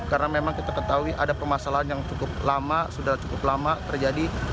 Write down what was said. karena memang kita ketahui ada permasalahan yang cukup lama sudah cukup lama terjadi